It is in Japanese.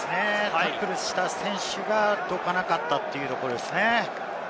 タックルした選手がどかなかったというところですね。